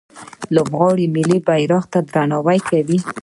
لوبغاړي ملي بیرغ ته درناوی کوي.